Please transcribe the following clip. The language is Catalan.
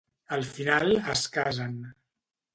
Al final, es casen.